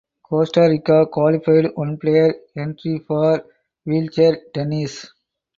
Costa Rica qualified one player entry for wheelchair tennis.